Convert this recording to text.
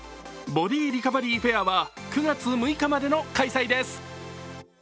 ボディリカバリーフェアは９月６日までの開催です。